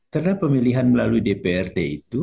karena pemilihan melalui dprd